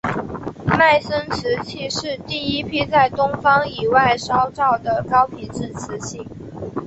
迈森瓷器是第一批在东方以外烧造的高品质的瓷器。